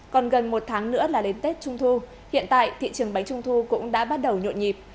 còn gần một tháng nữa là đến tết trung thu hiện tại thị trường bánh trung thu cũng đã bắt đầu nhộn nhịp